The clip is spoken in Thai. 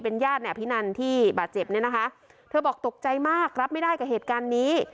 ญาติอภินันที่บาดเจ็บเนี่ยนะคะเธอบอกตกใจมากรับไม่ได้กับเหตุการณ์นี้